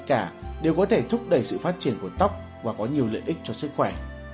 tất cả các loại hạt đều có thể thúc đẩy sự phát triển của tóc và có nhiều lợi ích cho sức khỏe